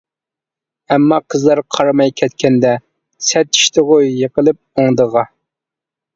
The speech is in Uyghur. ئەمما قىزلار قارىماي كەتكەندە، سەت چۈشتىغۇ يىقىلىپ ئوڭدىغا.